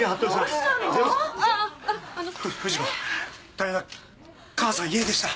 大変だ母さん家出した。